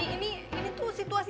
ini tuh situasi